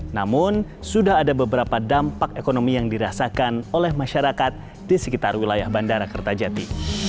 namun sudah ada beberapa dampak ekonomi yang dirasakan oleh masyarakat di sekitar wilayah bandara kertajati